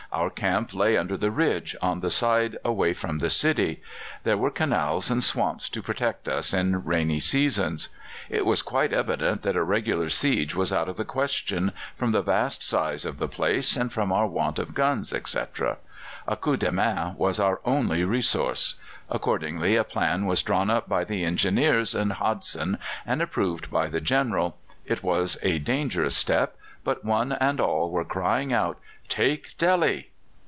Our camp lay under the ridge, on the side away from the city; there were canals and swamps to protect us in rainy seasons. It was quite evident that a regular siege was out of the question, from the vast size of the place and from our want of guns, etc. A coup de main was our only resource. Accordingly a plan was drawn up by the Engineers and Hodson, and approved by the General. It was a hazardous step, but one and all were crying out "Take Delhi!"